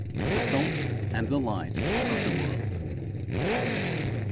_THE SALT AND THE LIGHT OF THE WORLD.